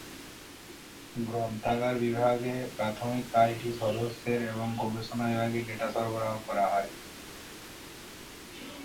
গ্রন্থাগার বিভাগের প্রাথমিক কাজটি সদস্যদের এবং গবেষণা বিভাগে ডেটা সরবরাহ করা।